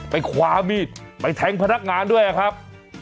คว้ามีดไปแทงพนักงานด้วยครับ